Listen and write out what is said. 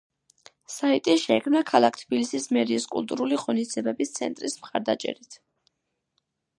საიტი შეიქმნა ქალაქ თბილისის მერიის კულტურული ღონისძიებების ცენტრის მხარდაჭერით.